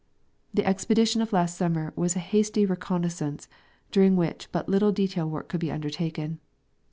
The expedition of last summer was a hasty reconnoissance, during Avhich but little detail work could be undertaken.